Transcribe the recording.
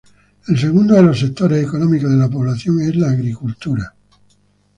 El segundo de los sectores económicos de la población es la agricultura.